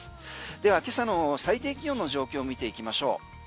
では今朝の最低気温の状況を見ていきましょう。